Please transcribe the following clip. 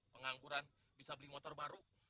pengangguran bisa beli motor baru